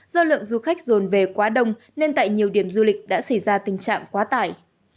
do lượng du khách dồn về quá đông nên tại nhiều điểm du lịch đã xảy ra tình trạng quá tải